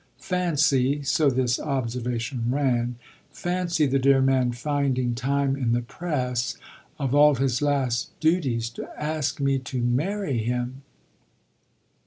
"Fancy" so this observation ran "fancy the dear man finding time in the press of all his last duties to ask me to marry him!"